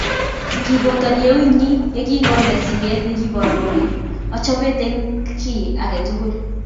Kibotoni eunyu ye kingondeni sieet nekiiboru kole achobet eng kei age tugul.